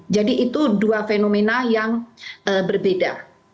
itu dua fenomena yang berbeda